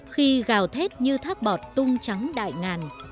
khi gào thết như thác bọt tung trắng đại ngàn